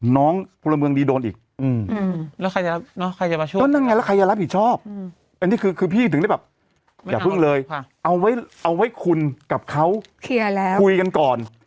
น้องพลเมืองดีโดนอีกต้องนั่งไงแล้วใครจะรับผิดชอบอันนี้คือพี่ถึงได้แบบอย่าพึ่งเลยเอาไว้คุณกับเขาคุยกันก่อน